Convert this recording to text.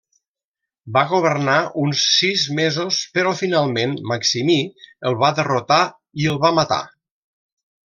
Va governar uns sis mesos però finalment Maximí el va derrotar i el va matar.